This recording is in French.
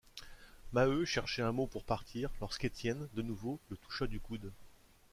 Maheu cherchait un mot pour partir, lorsque Étienne, de nouveau, le toucha du coude.